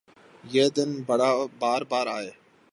یہ دن بار بارآۓ